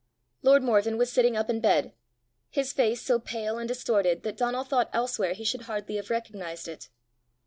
Lord Morven was sitting up in bed, his face so pale and distorted that Donal thought elsewhere he should hardly have recognized it.